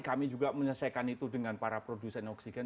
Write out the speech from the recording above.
kami juga menyelesaikan itu dengan para produsen oksigen